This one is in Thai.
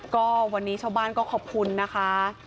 ก็วันนี้ชาวบ้านก็ขอบคุณนะคะ